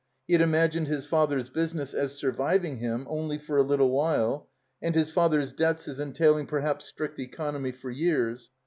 ... He had imagined his father's business as surviving him only for a little while, and his father's debts as entailing perhaps strict economy for years.